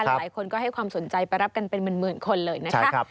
หลายคนก็ให้ความสนใจไปรับกันเป็นหมื่นคนเลยนะคะ